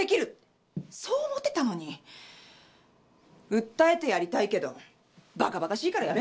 訴えてやりたいけどバカバカしいからやめるわ！